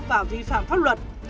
và vi phạm pháp luật